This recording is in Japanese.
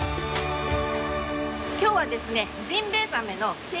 今日はですね